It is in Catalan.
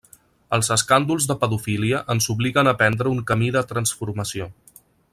Els escàndols de pedofília ens obliguen a prendre un camí de transformació.